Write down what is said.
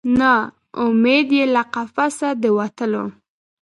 نه امید یې له قفسه د وتلو